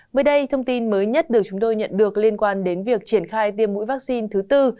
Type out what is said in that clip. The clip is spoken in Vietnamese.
mới đây thông tin mới nhất được chúng tôi nhận được liên quan đến việc triển khai tiêm mũi vaccine thứ tư